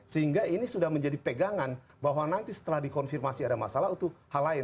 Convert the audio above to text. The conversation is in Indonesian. sehingga ini sudah menjadi pegangan bahwa nanti setelah dikonfirmasi ada masalah itu hal lain